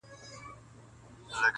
قاسم یار چي په ژړا کي په خندا سي,